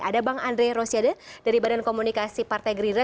ada bang andre rosiade dari badan komunikasi partai gerindra